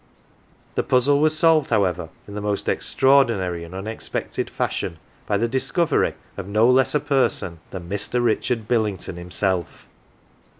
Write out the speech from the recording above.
The puzzle was solved, however, in the most extra ordinary and unexpected fashion by the discovery of no less a person than Mr. Richard Billington himself.